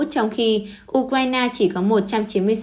trong khi ukraine chỉ có một năm tỷ usd cho quân đội